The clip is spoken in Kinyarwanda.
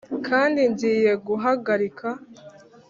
kandi ngiye guhagarika